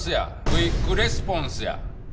クイックレスポンスや。